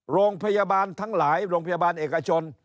โรงพยาบาลทั้งหลายโรงพยาบาลเอกชน